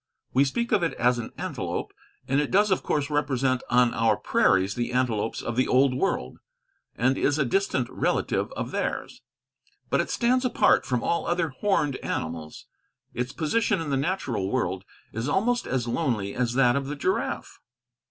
We speak of it as an antelope, and it does of course represent on our prairies the antelopes of the Old World, and is a distant relative of theirs; but it stands apart from all other horned animals. Its position in the natural world is almost as lonely as that of the giraffe.